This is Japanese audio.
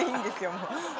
もう。